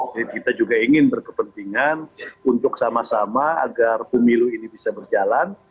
jadi kita juga ingin berkepentingan untuk sama sama agar pemilu ini bisa berjalan